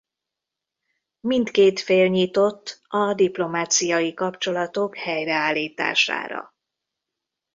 Mindkét fél nyitott a diplomáciai kapcsolatok helyreállítására.